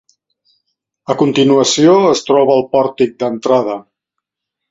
A continuació es troba el pòrtic d'entrada.